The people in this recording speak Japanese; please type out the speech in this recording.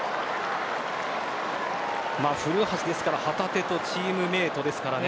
古橋旗手とチームメートですからね